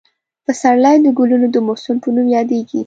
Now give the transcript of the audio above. پسرلی د ګلونو د موسم په نوم یادېږي.